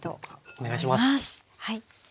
お願いします。